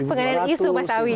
pengalian isu mas awi